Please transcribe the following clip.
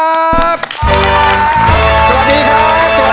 สวัสดีครับสวัสดีครับสวัสดีครับ